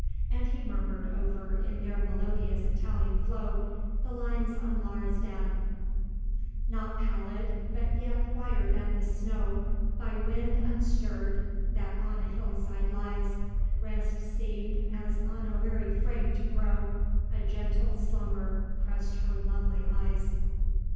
And he murmured over, in their melodious Italian flow, the lines on Laura's death:— "Not pallid, but yet whiter than the snow By wind unstirred that on a hillside lies; Rest seemed as on a weary frame to grow, A gentle slumber pressed her lovely eyes."